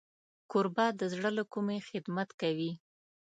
کوربه د زړه له کومي خدمت کوي.